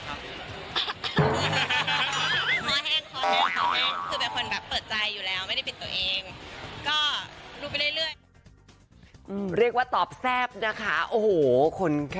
คือเป็นคนประเภทใจอยู่แล้วไม่ได้ปิดตัวเอง